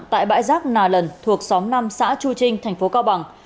tại bãi giác nà lần thuộc xóm năm xã chu trinh tp cao bằng